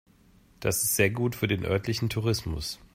Dies ist sehr gut für den örtlichen Tourismus.